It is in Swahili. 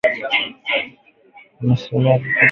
Wamesema vikosi hivyo vinatuma ujumbe